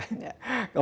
kalau steak itu kan